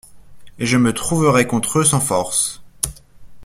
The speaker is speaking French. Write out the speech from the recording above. Et je me trouverais contre eux, sans force.